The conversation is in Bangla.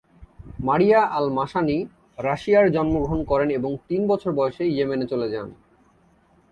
মারিয়া আল-মাসানি রাশিয়ায় জন্মগ্রহণ করেন এবং তিন বছর বয়সে ইয়েমেনে চলে যান।